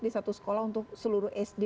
di satu sekolah untuk seluruh sd